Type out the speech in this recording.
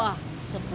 oh saya ikut deh